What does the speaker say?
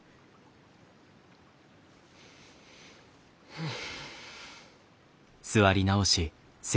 うん。